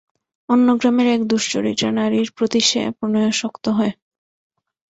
অন্য গ্রামের এক দুশ্চরিত্রা নারীর প্রতি সে প্রণয়াসক্ত হয়।